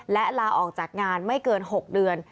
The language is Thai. และลาออกจากงานไม่เกิน๖เดือน